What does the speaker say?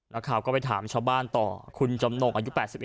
นักข่าวก็ไปถามชาวบ้านต่อคุณจำนงอายุ๘๑